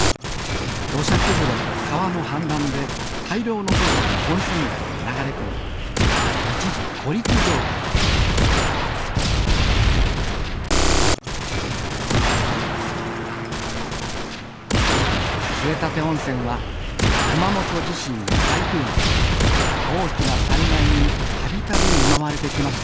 土砂崩れと川の氾濫で大量の土砂が温泉街に流れ込み一時孤立状態に杖立温泉は熊本地震や台風など大きな災害に度々見舞われてきました。